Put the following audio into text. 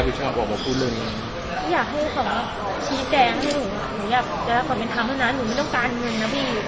พี่แจ้งให้หนูหนูอยากจะก่อนไปทำแล้วนะหนูไม่ต้องการเงินนะพี่